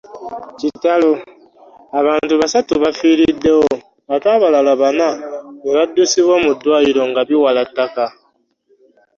Kitalo! Abantu basatu bafiiriddewo ate abalala bana ne baddusibwa mu ddwaliro nga biwala ttaka